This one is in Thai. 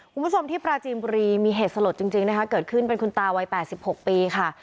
คุณผู้ชมที่ปราจีนบุรีมีเหตุสลดจริงนะคะเกิดขึ้นเป็นคุณตาวัย๘๖ปีค่ะ